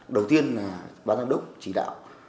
đầu tiên là ban giám đốc chỉ đạo